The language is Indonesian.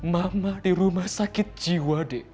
mama di rumah sakit jiwa d